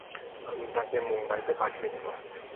আমি তাকে মুম্বাইতে পাঠিয়ে দিবো।